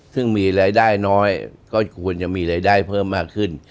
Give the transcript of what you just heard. ซึ่งมีรายได้น้อยก็ควรจะมีรายได้เพิ่มมากขึ้น